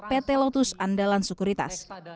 kautus andalan sukuritas